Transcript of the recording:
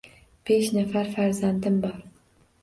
Besh nafar farzandim bor.